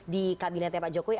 di kabinetnya pak jokowi